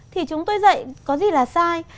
thì chúng tôi dạy có gì là sai